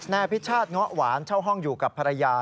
อภิชาติเงาะหวานเช่าห้องอยู่กับภรรยา